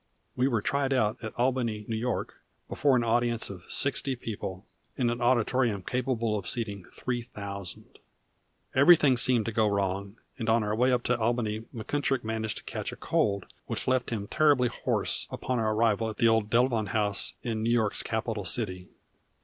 We were tried out at Albany, New York, before an audience of sixty people, in an auditorium capable of seating three thousand. Everything seemed to go wrong, and on our way up to Albany Munkittrick managed to catch a cold which left him terribly hoarse upon our arrival at the old Delavan House in New York's capital city.